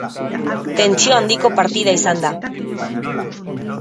Tentsio handiko partida izan da.